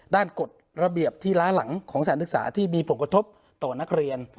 กฎระเบียบที่ล้าหลังของสถานศึกษาที่มีผลกระทบต่อนักเรียน